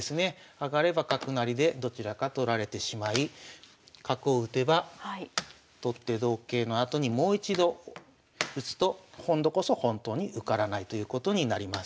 上がれば角成りでどちらか取られてしまい角を打てば取って同桂のあとにもう一度打つと今度こそ本当に受からないということになります。